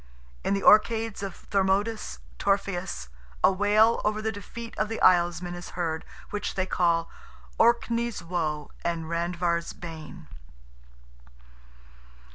In "the Orcades" of Thormodus Torfaeus, a wail over the defeat of the Islesmen is heard, which they call "Orkney's woe and Randver's bane."